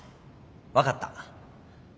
分かった。